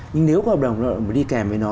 nhưng nếu hợp đồng lao động đi kèm với nó